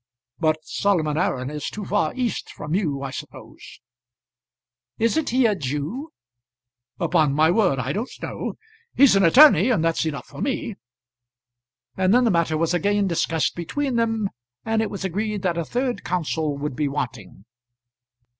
But Solomon Aram is too far east from you, I suppose?" "Isn't he a Jew?" "Upon my word I don't know. He's an attorney, and that's enough for me." And then the matter was again discussed between them, and it was agreed that a third counsel would be wanting.